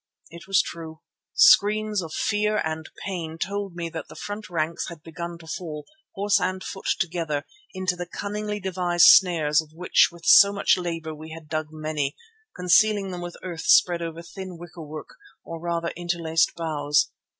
It was true. Screams of fear and pain told me that the front ranks had begun to fall, horse and foot together, into the cunningly devised snares of which with so much labour we had dug many, concealing them with earth spread over thin wickerwork, or rather interlaced boughs.